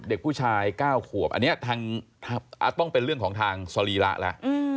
เด็กผู้ชาย๙ขวบอันนี้ต้องเป็นเรื่องของทางสรีระแล้ว